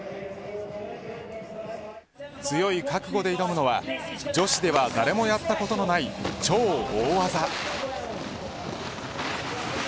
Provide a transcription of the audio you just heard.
強い覚悟で挑むのは女子では誰もやったことのない超大技。